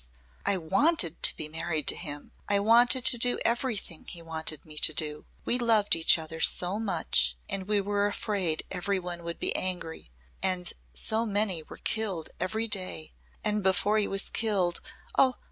I wanted to be married to him. I wanted to do everything he wanted me to do. We loved each other so much. And we were afraid every one would be angry. And so many were killed every day and before he was killed Oh!"